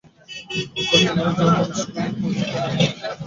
একবার পুনায় যাও তো, শিবাজীর ফৌজে কত পাঁচ-হাজারী মনসবদার আছে গনিয়া আসিবে!